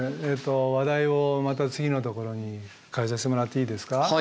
話題をまた次のところに変えさせてもらっていいですか？